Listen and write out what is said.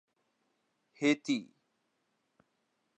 ہیتی